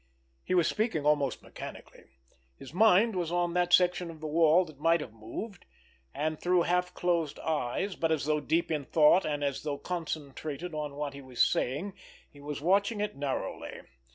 He was speaking almost mechanically. His mind was on that section of the wall that might have moved; and through half closed eyes, but as though deep in thought and as though concentrated on what he was saying, he was watching it narrowly.